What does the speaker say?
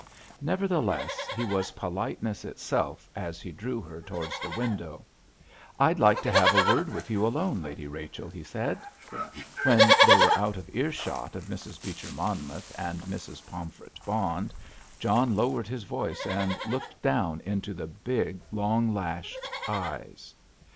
Nevertheless, he was politeness itself as he drew her towards the window. "I'd like to have a word with you alone, Lady Rachel," he said. When they were out of earshot of Mrs. Beecher Monmouth and Mrs. Pomfret Bond, John lowered his voice, and looked down into the big, long lashed eyes.